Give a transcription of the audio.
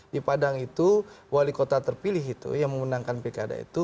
di padang itu wali kota terpilih itu yang memenangkan pilkada itu